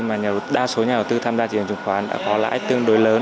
mà đa số nhà đầu tư tham gia thị trường chứng khoán đã có lãi tương đối lớn